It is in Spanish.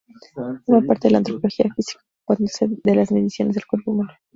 Forma parte de la antropología física, ocupándose de las mediciones del cuerpo humano.